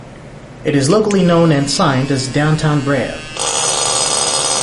It is locally known and signed as Downtown Brea.